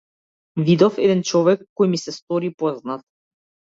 Видов еден човек кој ми се стори познат.